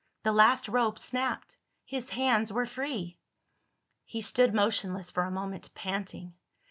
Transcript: The last rope snapped. His hands were free. He stood motionless for a moment, panting.